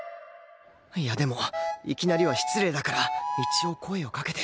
いやでもいきなりは失礼だから一応声をかけて